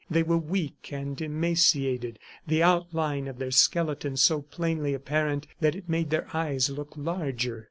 They were weak and emaciated, the outline of their skeletons so plainly apparent that it made their eyes look larger.